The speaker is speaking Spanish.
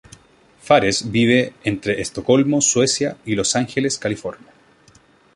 Fares vive entre Estocolmo, Suecia, y Los Ángeles, California.